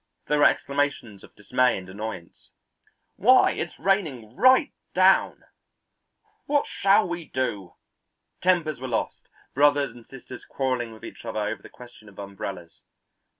There were exclamations of dismay and annoyance: "Why, it's raining right down!" "What shall we do!" Tempers were lost, brothers and sisters quarrelling with each other over the question of umbrellas.